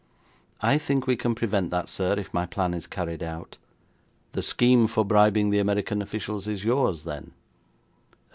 'I think we can prevent that, sir, if my plan is carried out.' 'The scheme for bribing the American officials is yours, then?'